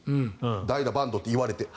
代打、バントと言われて。